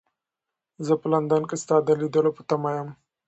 زه په لندن کې ستا د لیدلو په تمه یم.